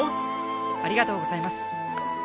ありがとうございます。